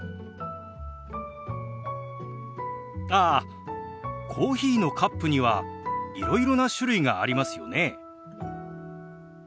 ああコーヒーのカップにはいろいろな種類がありますよね。